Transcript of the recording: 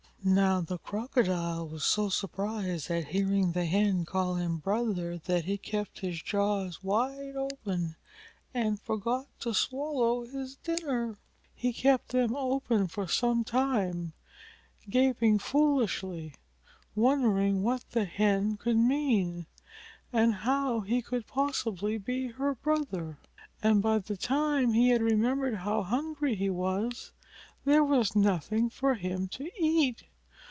Now the Crocodile was so surprised at hearing the Hen call him Brother that he kept his jaws wide open and forgot to swallow his dinner. He kept them open for some time, gaping foolishly, wondering what the Hen could mean, and how he could possibly be her brother. And by the time he had remembered how hungry he was, there was nothing for him to eat.